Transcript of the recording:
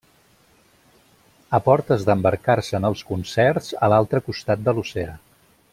A portes d'embarcar-se en els concerts a l'altre costat de l'oceà.